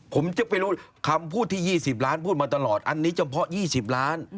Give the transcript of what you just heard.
ผมจะไปรู้คำพูดที่ยี่สิบล้านพูดมาตลอดอันนี้เฉพาะยี่สิบล้าน